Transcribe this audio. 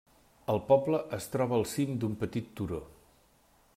El poble es troba al cim d'un petit turó.